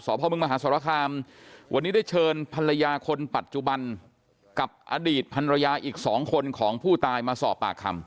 พ่อเมืองมหาสรคามวันนี้ได้เชิญภรรยาคนปัจจุบันกับอดีตภรรยาอีกสองคนของผู้ตายมาสอบปากคำ